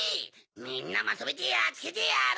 みんなまとめてやっつけてやる！